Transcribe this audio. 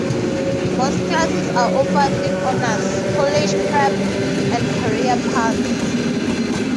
Most classes are offered in honors, college prep, and career paths.